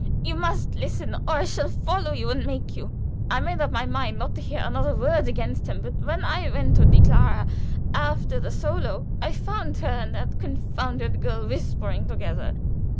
"You must listen, or I shall follow you and make you. I made up my mind not to hear another word against him, but when I went to die Clara after the solo, I found her and that confounded girl whispering together.